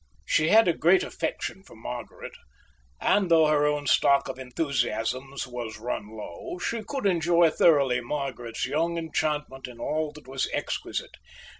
She had a great affection for Margaret, and though her own stock of enthusiasms was run low, she could enjoy thoroughly Margaret's young enchantment in all that was exquisite.